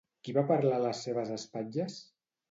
Qui va parlar a les seves espatlles?